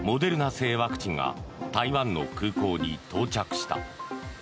製ワクチンが台湾の空港に到着した。